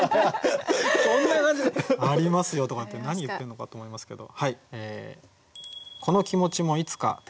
こんな感じで「ありますよ」とかって何言ってんのかって思いますけど。